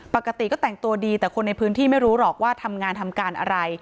ปกติก็แต่งตัวดีแต่คนในพื้นที่ไม่รู้หรอกว่าทำงานทำการอะไร